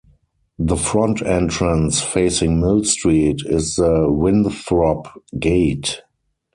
The front entrance, facing Mill Street, is the Winthrop Gate.